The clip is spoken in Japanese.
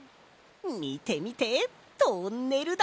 みてみてトンネルだぞ！